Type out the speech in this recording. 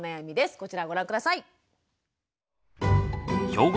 こちらをご覧下さい。